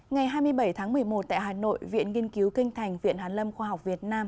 ngày hai mươi bảy tháng một mươi một tại hà nội viện nghiên cứu kinh thành viện hàn lâm khoa học việt nam